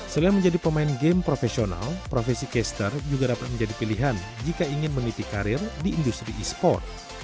selain menjadi pemain game profesional profesi caster juga dapat menjadi pilihan jika ingin meniti karir di industri e sport